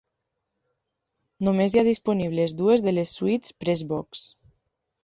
Només hi ha disponibles dues de les suites Press Box.